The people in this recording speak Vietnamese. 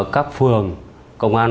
các phường công an